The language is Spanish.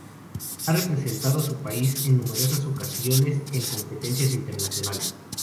Ha representado a su país en numerosas ocasiones en competencias internacionales.